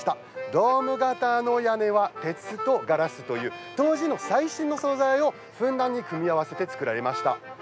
ドーム型の屋根は鉄とガラスという当時の最新の素材をふんだんに組み合わせて造られました。